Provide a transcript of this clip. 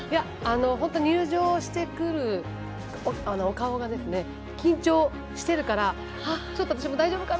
本当に入場してくるお顔が緊張しているから私も大丈夫かな？